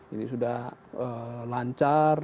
ini sudah lancar